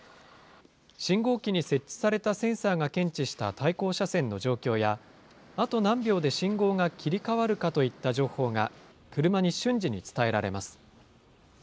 信号機に設置されたセンサーが検知した対向車線の状況や、あと何秒で信号が切り替わるかといった情報が、車に瞬時に伝えられます。